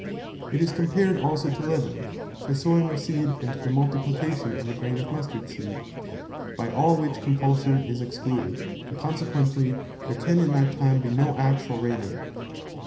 It is compared also to Leaven; to Sowing of Seed, and to the Multiplication of a grain of Mustard seed; by all which Compulsion is excluded; and consequently there can in that time be no actual Reigning.